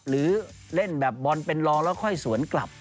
หรือเล่นแบบบอลเป็นรองแล้วค่อยสวนกลับ